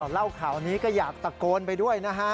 เราก็อยากตะโกนไปด้วยนะฮะ